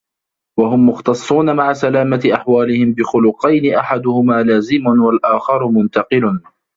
وَهُمْ مُخْتَصُّونَ مَعَ سَلَامَةِ أَحْوَالِهِمْ بِخُلُقَيْنِ أَحَدُهُمَا لَازِمٌ ، وَالْآخَرُ مُنْتَقِلٌ